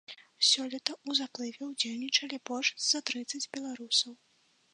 Сёлета ў заплыве ўдзельнічалі больш за трыццаць беларусаў.